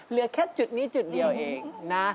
เหลือแค่จุดนี้จุดเดียวเองนะ